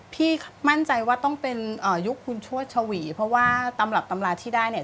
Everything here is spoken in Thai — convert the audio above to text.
พี่มั่นใจว่าต้องเป็นยุคคุณชวดชวีเพราะว่าตำรับตำราที่ได้เนี่ย